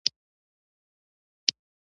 مړه ته د غم پر وخت یاد وکړه